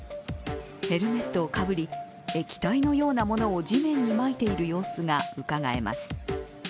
ヘルメットをかぶり、液体のようなものを地面にまいている様子がうかがえます。